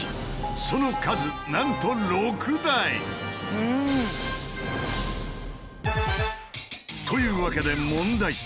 その数なんと６台！というわけで問題。